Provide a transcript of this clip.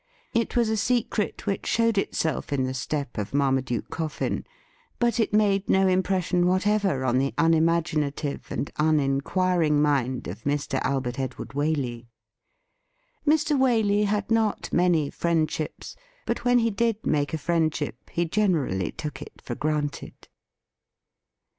It was a secret which showed itself in the step of Marmaduke Coffin. But it made no impression whatever on the unimaginative and uninquiring mind of ' WHY SUMMON HIM ?' 239 Mr. Albert Edward Waley. Mr. Waleyhad not many friendships, but when he did make a friendship he generally took it for granted.